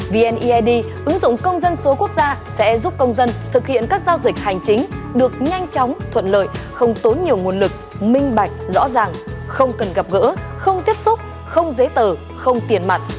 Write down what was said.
vneid ứng dụng công dân số quốc gia sẽ giúp công dân thực hiện các giao dịch hành chính được nhanh chóng thuận lợi không tốn nhiều nguồn lực minh bạch rõ ràng không cần gặp gỡ không tiếp xúc không giấy tờ không tiền mặt